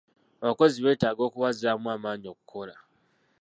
Abakozi beetaaga okubazzaamu amaanyi okukola.